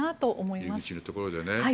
入り口のところでね。